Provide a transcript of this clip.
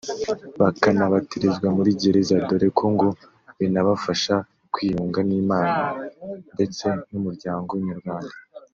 bakanabatirizwa muri gereza dore ko ngo binabafasha kwiyunga n’Imana ndetse n’Umuryango nyarwanda